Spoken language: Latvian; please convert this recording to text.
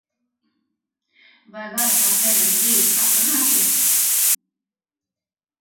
Vai varu ar tevi uz brīdi aprunāties?